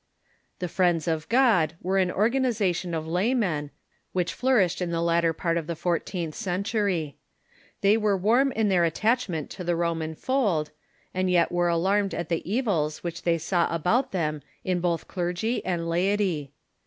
The Friends of God Avcre an organization of laymen, which flourished in the latter part of the fourteenth century. They were warm in their attachment to the Roman fold. Friends of God ,, t ,•, i • i i and yet were alarmed at the evils which they saw about them in both clergy and laity.